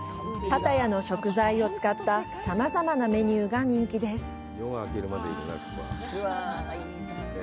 パタヤの食材を使ったさまざまなメニューが人気です。